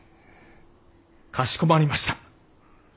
かしこまりました。